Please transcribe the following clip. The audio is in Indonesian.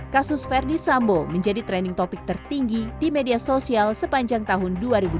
kasus verdi sambo menjadi trending topic tertinggi di media sosial sepanjang tahun dua ribu dua puluh